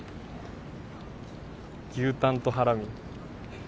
◆牛タンとハラミ。